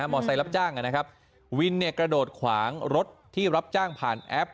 อเซล์รับจ้างนะครับวินเนี่ยกระโดดขวางรถที่รับจ้างผ่านแอป